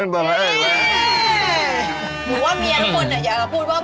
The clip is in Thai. ผมว่าเมียทั้งคนอยากจะพูดว่า